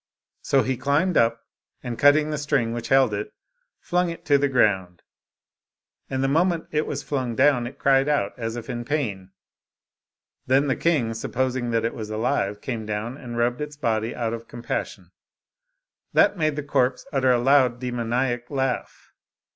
So he climbed up^ and cutting the string which held it^ flung it to the ground. And the moment it was flung down, it cried out, as if in pain. Then the king, supposing it was alive, came down and rubbed its body out of compassion; that made the corpse utter a loud demoniac laugh.